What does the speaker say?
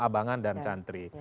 abangan dan santri